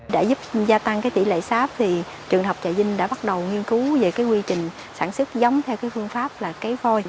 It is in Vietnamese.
đã giúp gia tăng tỉ lệ sáp trường học trà vinh đã bắt đầu nghiên cứu về quy trình sản xuất giống theo phương pháp cấy phôi